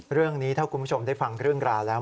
เรื่องนี้ถ้าคุณผู้ชมได้ฟังเรื่องราวแล้ว